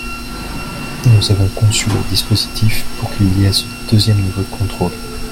Nous avons conçu le dispositif pour qu’il y ait ce deuxième niveau de contrôle.